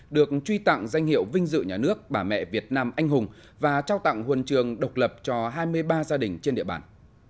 được truy tặng danh hiệu vinh dự nhà nước bà mẹ việt nam anh hùng và trao tặng huần trường độc lập cho hai mươi ba gia đình trên địa bàn